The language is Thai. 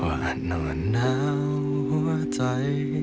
ว่านอนาวหัวใจ